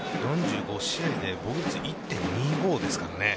４５試合で防御率１．２５ですからね。